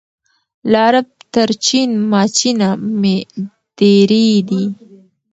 له عرب تر چین ماچینه مي دېرې دي